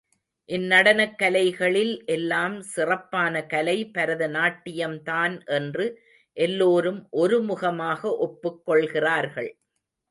இந்நடனக் கலைகளில் எல்லாம் சிறப்பான கலை பரத நாட்டியம்தான் என்று எல்லோரும் ஒருமுகமாக ஒப்புக் கொள்கிறார்கள்.